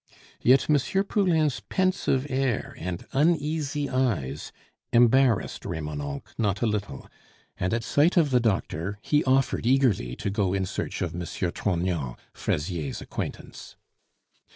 Yet M. Poulain's pensive air and uneasy eyes embarrassed Remonencq not a little, and at sight of the doctor he offered eagerly to go in search of M. Trognon, Fraisier's acquaintance.